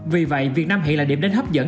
vì vậy việt nam hiện là điểm đến hấp dẫn